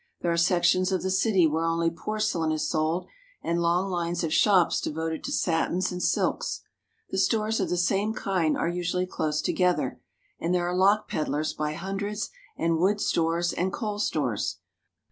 There are sections of the city where only porcelain is sold, and long lines of shops devoted to satins and silks. The stores of the same kind are usually close together, and there are lock peddlers by hundreds and wood stores and coal stores.